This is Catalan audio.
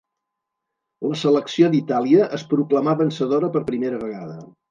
La selecció d'Itàlia es proclamà vencedora per primera vegada.